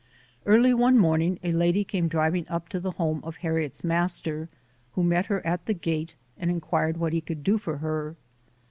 Early one morning a lady came driving up to the home of Harriet's master, who met her at the gate and inquired what he could do for her.